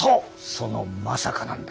そのまさかなんだ。